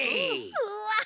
うわ。